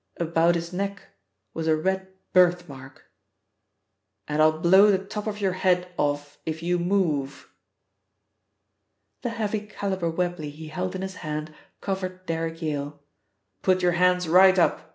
About his neck was a red birth mark and I'll blow the top of your head off if you move!" The heavy calibre Webley he held in his hand covered Derrick Yale. "Put your hands right up!"